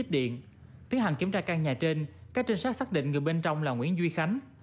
đã xác định người bên trong là nguyễn duy khánh